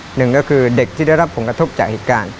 หนึ่งก็คือเด็กที่ได้รับผลกระทบจากเหตุการณ์